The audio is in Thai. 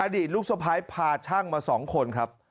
ดีตลูกสะพ้ายพาช่างมา๒คนครับ